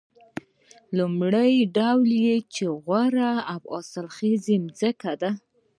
لومړی ډول یې یوه غوره او حاصلخیزه ځمکه ده